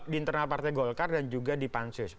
di internal partai golkar dan juga di pansus